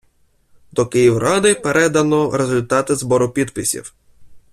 До Київради передано результати збору підписів.